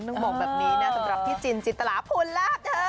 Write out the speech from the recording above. ต้องบอกแบบนี้นะสำหรับพี่จินจินตราภูลลาบ